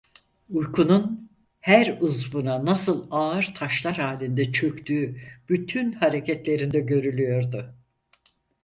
Uykunun, her uzvuna nasıl ağır taşlar halinde çöktüğü bütün hareketlerinde görülüyordu.